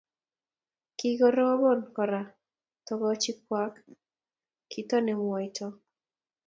kikiroben kora togochi kwak kito nemwoito